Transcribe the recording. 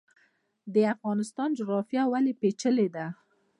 د افغانستان جغرافیا ولې پیچلې ده؟